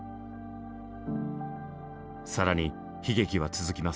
更に悲劇は続きます。